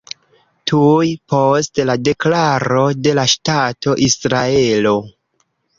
Tuj post la deklaro de la ŝtato Israelo.